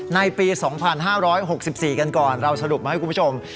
ในปี๒๕๖๔กันก่อนเราสรุปมาให้คุณผู้ชม